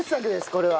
これは。